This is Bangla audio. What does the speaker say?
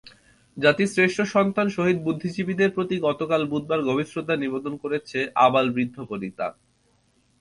জাতির শ্রেষ্ঠ সন্তান শহীদ বুদ্ধিজীবীদের প্রতি গতকাল বুধবার গভীর শ্রদ্ধা নিবেদন করেছে আবালবৃদ্ধবনিতা।